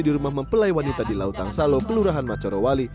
di rumah mempelai wanita di lautang saloh kelurahan macorowali